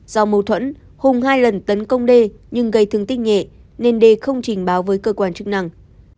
do mâu thuẫn hùng hai lần tấn công đê nhưng gây thương tích nhẹ nên d không trình báo với cơ quan chức năng